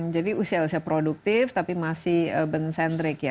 jadi usia usia produktif tapi masih bensendrik ya